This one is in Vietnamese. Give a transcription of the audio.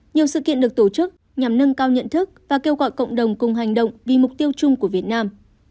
nhiều sự kiện được tổ chức nhằm nâng cao nhận thức và kêu gọi cộng đồng cùng hành động vì mục tiêu chung của việt nam